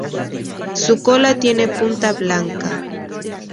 Su cola tiene punta blanca.